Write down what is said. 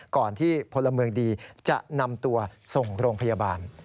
ก่อนที่พลเมืองดีจะนำตัวส่งโรงพยาบาล